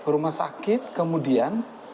rumah sakit kemudian